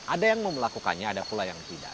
ada yang mau melakukannya ada pula yang tidak